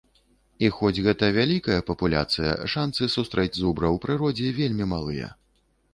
І хоць гэта вялікая папуляцыя, шанцы сустрэць зубра ў прыродзе вельмі малыя.